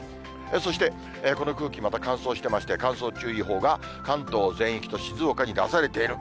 そして、この空気、また乾燥してまして、乾燥注意報が関東全域と静岡に出されている。